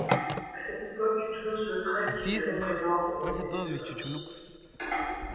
À cette époque Toulouse-Lautrec, les représente dans ses lithographies.